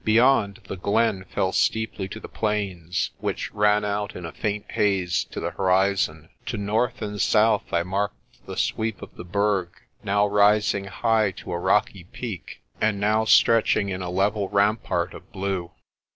Beyond, the glen fell steeply to the plains, which ran out in a faint haze to the horizon. To north and south I marked the sweep of the Berg, now rising high to a rocky peak and now stretching in a level rampart of blue.